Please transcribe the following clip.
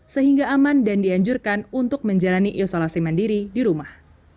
sehingga aman dan dianjurkan untuk menjalani isolasi mandiri di rumah